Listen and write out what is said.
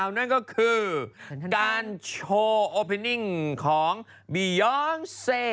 นั่นก็คือการโชว์โอเพนิ่งของบียองเซ